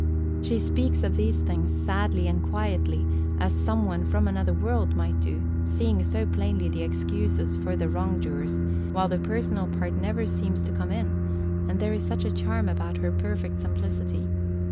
She speaks of these things sadly and quietly as some one from another world might do, seeing so plainly the excuses for the wrong doers, while the personal part never seems to come in, and there is such a charm about her perfect simplicity.